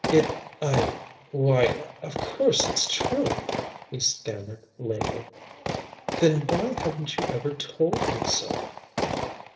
"It I why of course it's true!" he stammered lamely. "Then why haven't you ever told me so?"